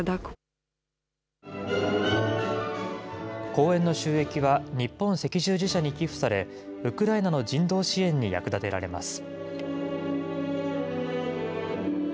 公演の収益は、日本赤十字社に寄付され、ウクライナの人道支援に役立てられます。